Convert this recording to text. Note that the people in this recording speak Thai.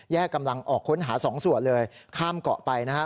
แยกกำลังออกค้นหาสองส่วยเลยข้ามเกาะไป